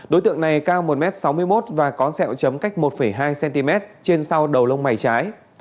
đối tượng này cao một m sáu mươi một và có sẹo chấm cách một hai cm trên sau đầu lông mày trái